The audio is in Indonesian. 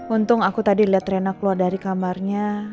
untung aku tadi lihat rena keluar dari kamarnya